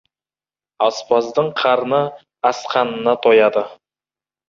Аспаздың қарны асқанына тояды.